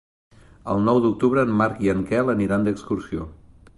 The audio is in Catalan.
El nou d'octubre en Marc i en Quel aniran d'excursió.